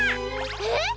えっ！？